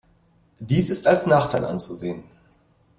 Dies ist als Nachteil anzusehen.